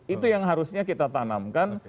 itu yang harusnya kita tanamkan